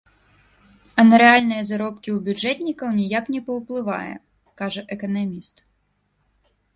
А на рэальныя заробкі ў бюджэтнікаў ніяк не паўплывае, кажа эканаміст.